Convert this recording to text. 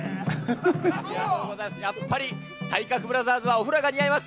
やっぱり体格ブラザーズはお風呂が似合います。